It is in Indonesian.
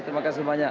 terima kasih banyak